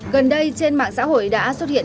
gần đây trên mạng xã hội đã xuất hiện